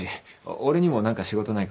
俺にも何か仕事ないか？